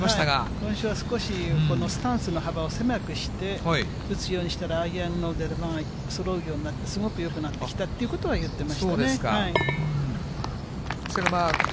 今週は少し、このスタンスの幅を狭くして、打つようにしたら、アイアンの出球がそろうようになって、すごくよくなってきたといそうですか。